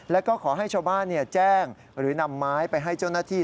แล้วก็ขอให้ชาวบ้านแจ้งหรือนำไม้ไปให้เจ้าหน้าที่